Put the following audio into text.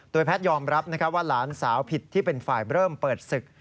แพทยอมรับว่าหลานสาวผิดที่เป็นฝ่ายเริ่มเปิดศึก